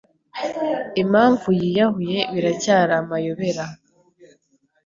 Impamvu yiyahuye biracyari amayobera.